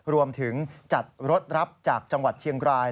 รวมถึงจัดรถรับจากจังหวัดเชียงราย